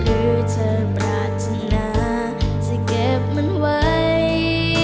หรือเธอปรารถนาจะเก็บมันไว้